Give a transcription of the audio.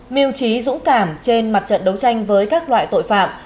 mưu trí dũng cảm trên mặt trận đấu tranh với các loại tội phạm